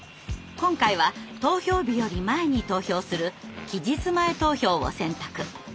今回は投票日より前に投票する期日前投票を選択。